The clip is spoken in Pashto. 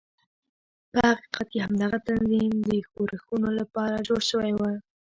په حقیقت کې همدغه تنظیم د ښورښونو لپاره جوړ شوی و.